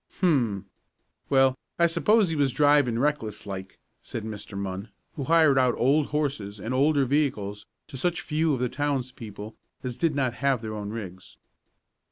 "Hum! Well, I s'pose he was driving reckless like," said Mr. Munn, who hired out old horses and older vehicles to such few of the townspeople as did not have their own rigs.